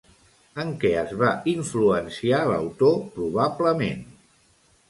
En què es va influenciar l'autor probablement?